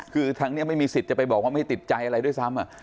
คือทางนี้ไม่มีสิทธิ์จะไปบอกว่าไม่ติดใจอะไรด้วยซ้ำ